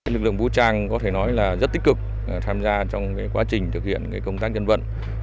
lực lượng vũ trang có thể nói là rất tích cực tham gia trong quá trình thực hiện công tác dân vận